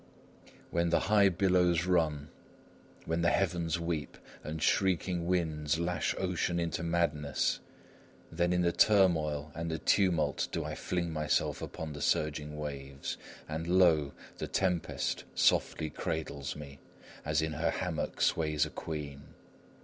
When the high billows run, when the heavens weep, and shrieking winds lash ocean into madness, then in the turmoil and the tumult do I fling myself upon the surging waves, and lo! the tempest softly cradles me, as in her hammock sways a queen.